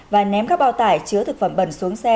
và ném các bao tải chứa thực phẩm bẩn xuống xe